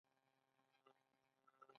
آیا پښتون د ظالم دښمن نه دی؟